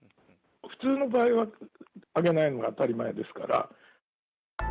普通の場合は、上げないのが当たり前ですから。